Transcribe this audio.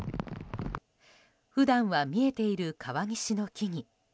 普段は見えている川岸の木々。